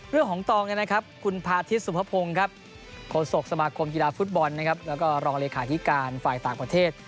เรื่องของตองเนี่ยนะครับคุณพาธิสสุภพงศ์โฆษกสมาคมกีฬาฟุตบอลแล้วก็รองเลขาฮิการฝ่ายต่างประเทศ